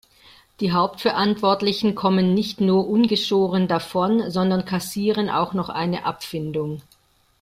Die Hauptverantwortlichen kommen nicht nur ungeschoren davon, sondern kassieren auch noch eine Abfindung.